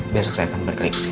besok saya akan berkongsi